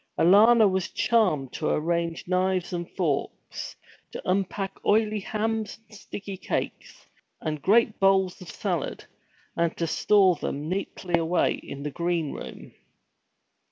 Alanna was charmed to arrange knives and forks, to unpack oily hams and sticky cakes, and great bowls of salad, and to store them neatly away in a green room.